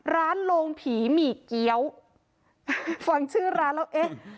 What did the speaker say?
ร้านโรงผีหมี่เกี๊ยวฟังชื่อร้านแล้ว